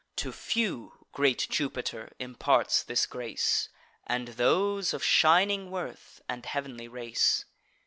To few great Jupiter imparts this grace, And those of shining worth and heav'nly race.